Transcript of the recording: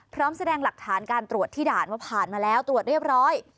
พร้อมแสดงหลักฐานการตรวจที่ด่านว่าผ่านมาแล้วตรวจเรียบร้อย